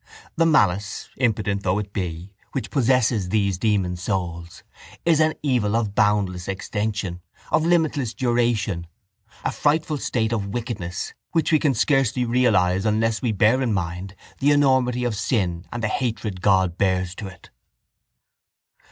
The malice, impotent though it be, which possesses these demon souls is an evil of boundless extension, of limitless duration, a frightful state of wickedness which we can scarcely realise unless we bear in mind the enormity of sin and the hatred God bears to it.